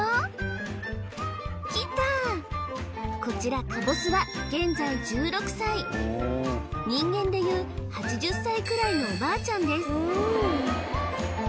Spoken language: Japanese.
こちらかぼすは現在１６歳人間でいう８０歳くらいのおばあちゃんです